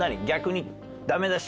逆に。